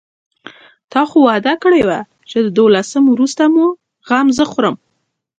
تا خو وعده کړې وه چې د دولسم وروسته مو غم زه خورم.